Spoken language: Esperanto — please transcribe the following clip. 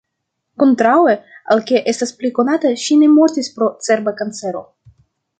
Kontraŭe al ke estas pli konata, ŝi ne mortis pro cerba kancero.